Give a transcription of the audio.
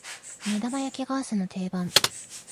目玉焼きが朝の定番